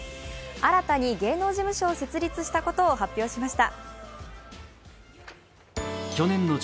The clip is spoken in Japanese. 新たに芸能事務所を設立したことを発表しました。